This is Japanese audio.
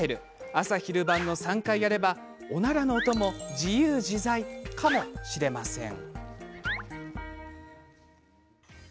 朝、昼、晩の３回やればおならの音も自由自在かもしれません。